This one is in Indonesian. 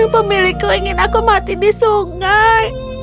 pemilikku ingin aku mati di sungai